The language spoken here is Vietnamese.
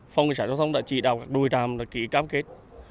phòng cảnh sát giao thông đã chỉ đào các đôi ràm ký cáp kết